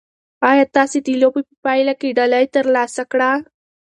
ایا تاسي د لوبې په پایله کې ډالۍ ترلاسه کړه؟